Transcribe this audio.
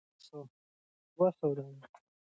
شین طبیعت د انسان پر روح مثبت اغېزه لري.